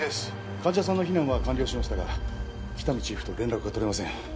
患者さんの避難は完了しましたが喜多見チーフと連絡が取れません